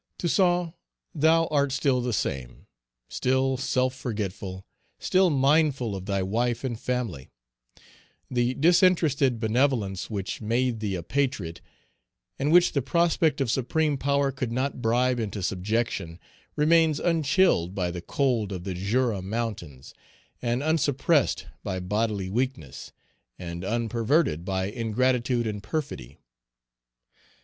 Toussaint, thou art still the same, still self forgetful, still mindful of thy wife and family. The disinterested benevolence which made thee a patriot, and which the prospect of supreme power could not bribe into subjection, remains unchilled by the cold of the Jura Mountains, and unsuppressed by bodily weakness, and unperverted by ingratitude and perfidy.